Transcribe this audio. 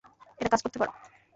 এটা কাজ করতে পারে।